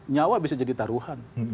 nyawa bisa jadi taruhan